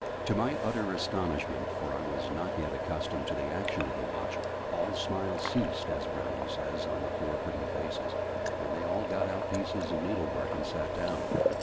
To my utter astonishment for I was not yet accustomed to the action of the Watch "all smiles ceased," (as Browning says) on the four pretty faces, and they all got out pieces of needle work, and sat down.